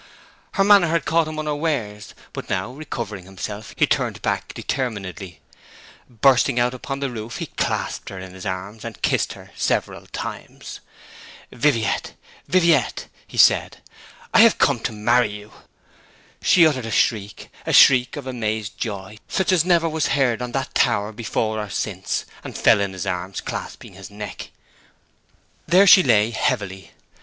Her manner had caught him unawares; but now recovering himself he turned back determinedly. Bursting out upon the roof he clasped her in his arms, and kissed her several times. 'Viviette, Viviette,' he said, 'I have come to marry you!' She uttered a shriek a shriek of amazed joy such as never was heard on that tower before or since and fell in his arms, clasping his neck. There she lay heavily.